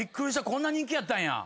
こんな人気やったんや。